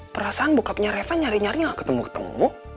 perasaan bokapnya reva nyari nyari gak ketemu ketemu